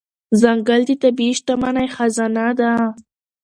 ځنګل د طبیعي شتمنۍ خزانه ده.